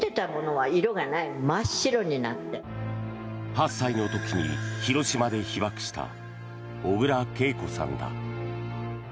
８歳の時に広島で被爆した小倉桂子さんだ。